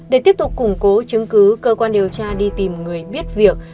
để tiếp tục củng cố chứng cứ cơ quan điều tra đi tìm người biết việc